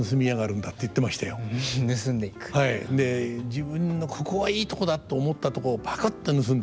自分の「ここはいいとこだと思ったとこをぱくっと盗んでいく」と。